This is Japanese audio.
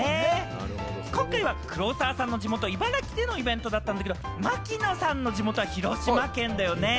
今回は黒沢さんの地元・茨城でのイベントだったんだけれども、槙野さんの地元は広島県だよね？